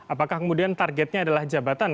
apakah kemudian targetnya adalah jabatan